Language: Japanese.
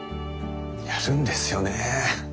やるんですよねえ。